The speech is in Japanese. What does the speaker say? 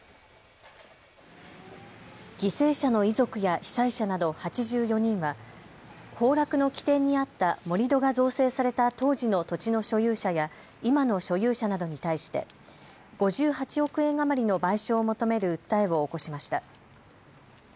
犠牲者の遺族や被災者など８４人は崩落の起点にあった盛り土が造成された当時の土地の所有者や今の所有者などに対して５８億円余りの賠償を求める訴えを起こしました。